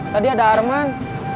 tadi ada arman